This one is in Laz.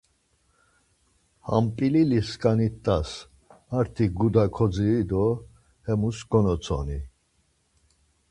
Ham p̌ilili skani t̆as, ar ti guda koziri do hemus konotsoni.